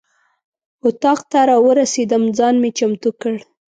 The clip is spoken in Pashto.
اتاق ته راورسېدم ځان مې چمتو کړ.